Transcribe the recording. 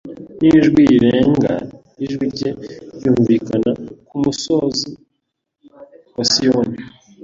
nijwi rirenga ijwi rye ryumvikana ku musozi wa Siyoni